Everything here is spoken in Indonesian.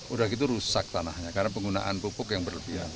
udah gitu rusak tanahnya karena penggunaan pupuk yang berlebihan